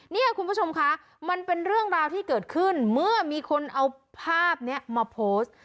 เนี่ยคุณผู้ชมคะมันเป็นเรื่องราวที่เกิดขึ้นเมื่อมีคนเอาภาพนี้มาโพสต์